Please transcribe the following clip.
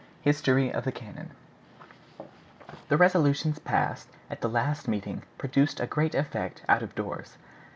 HISTORY OF THE CANNON The resolutions passed at the last meeting produced a great effect out of doors.